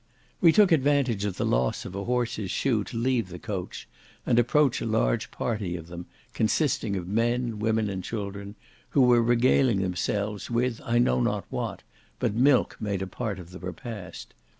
We took advantage of the loss of a horse's shoe, to leave the coach, and approach a large party of them, consisting of men, women, and children, who were regaling themselves with I know not what, but milk made a part of the repast.